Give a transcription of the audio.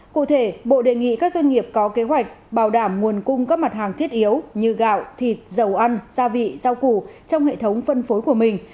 cụ thể bộ đề nghị các doanh nghiệp có kế hoạch bảo đảm nguồn cung các mặt hàng thiết yếu như gạo thịt dầu ăn gia vị rau củ trong hệ thống phân phối của mình